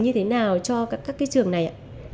như thế nào cho các cái trường này ạ